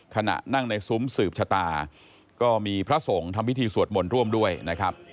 ขณะนั่งในซุ้มสืบชะตาก็มีพระสงฆ์ทำพิธีสวดมนต์ร่วมด้วยนะครับ